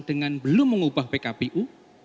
dengan belum mengubah pkpu